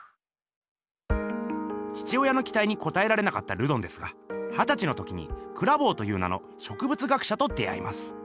父親のきたいにこたえられなかったルドンですがはたちの時にクラヴォーという名の植物学者と出会います。